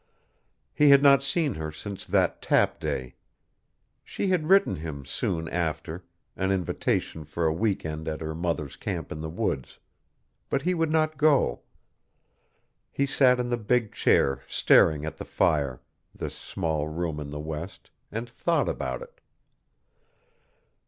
He had not seen her since that Tap Day. She had written him soon after an invitation for a week end at her mother's camp in the woods. But he would not go. He sat in the big chair staring at the fire, this small room in the West, and thought about it.